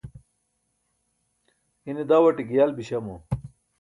ine dawṭe giyal biśamo